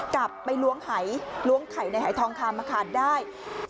กลับไปล้วงหายล้วงไข่ในหายทองคำมาขาดได้